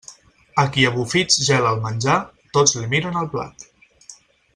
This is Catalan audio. A qui a bufits gela el menjar, tots li miren el plat.